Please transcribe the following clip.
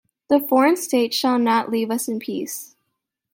The foreign states shall not leave us in peace.